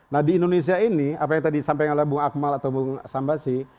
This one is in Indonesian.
nah di indonesia ini apa yang tadi disampaikan oleh bung akmal atau bung sambasi